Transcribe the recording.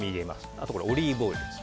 あとオリーブオイルです。